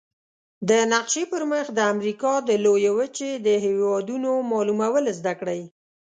د نقشي پر مخ د امریکا د لویې وچې د هېوادونو معلومول زده کړئ.